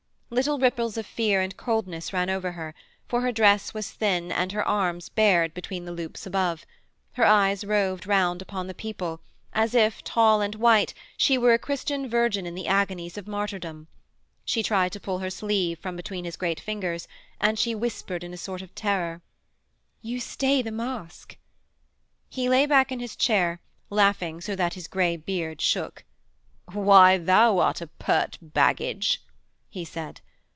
Little ripples of fear and coldness ran over her, for her dress was thin and her arms bared between the loops above. Her eyes roved round upon the people as if, tall and white, she were a Christian virgin in the agonies of martyrdom. She tried to pull her sleeve from between his great fingers, and she whispered in a sort of terror: 'You stay the masque!' He lay back in his chair, laughing so that his grey beard shook. 'Why, thou art a pert baggage,' he said.